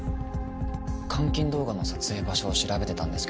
監禁動画の撮影場所を調べてたんですけど。